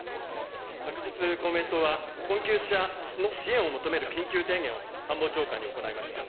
昨日、公明党は困窮者の支援を求める緊急提言を官房長官に行いました。